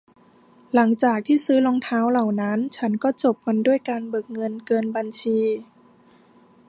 หลังจากที่ซื้อรองเท้าเหล่านั้น ฉันก็จบมันด้วยการเบิกเงินเกินบัญชี